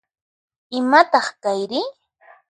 Imataq kayri?